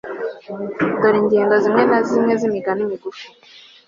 dore ingero zimwe na zimwe z'imigani migufi